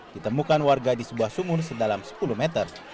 ditemukan warga di sebuah sumur sedalam sepuluh meter